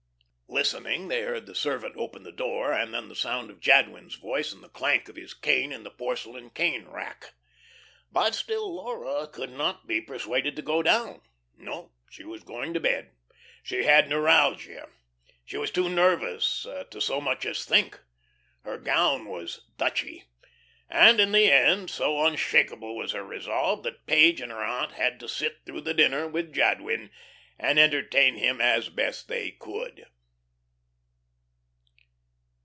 Listening, they heard the servant open the door, and then the sound of Jadwin's voice and the clank of his cane in the porcelain cane rack. But still Laura could not be persuaded to go down. No, she was going to bed; she had neuralgia; she was too nervous to so much as think. Her gown was "Dutchy." And in the end, so unshakable was her resolve, that Page and her aunt had to sit through the dinner with Jadwin and entertain him as best they could.